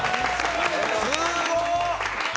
すーごっ！